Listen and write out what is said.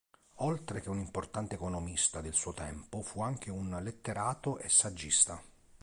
Oltre che un importante economista del suo tempo fu anche un letterato e saggista.